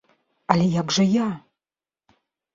Але як жа я?